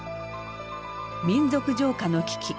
民族浄化の危機。